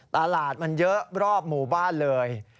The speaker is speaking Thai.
ตลาดมันเยอะรอบหมู่บ้านเลย